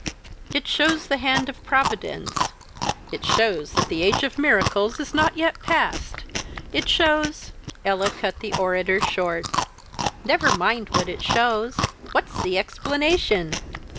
It shows the hand of Providence; it shows that the age of miracles is not yet past; it shows " Ella cut the orator short. "Never mind what it shows; what's the explanation?"